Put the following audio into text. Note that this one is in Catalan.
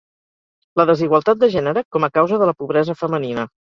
La desigualtat de gènere com a causa de la pobresa femenina.